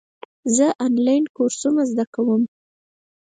زه آنلاین کورسونه زده کوم.